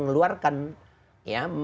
keluar ruh dari tubuhnya itu